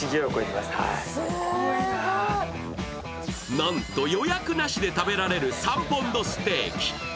なんと予約なしで食べられる３ポンドステーキ。